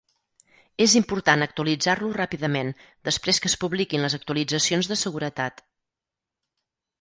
És important actualitzar-lo ràpidament després que es publiquin les actualitzacions de seguretat.